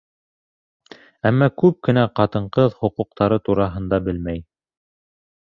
Әммә күп кенә ҡатын-ҡыҙ хоҡуҡтары тураһында белмәй.